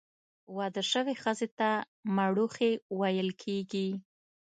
واده سوي ښځي ته، مړوښې ویل کیږي.